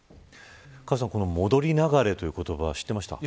カズさん、戻り流れという言葉知ってましたか。